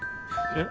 えっ？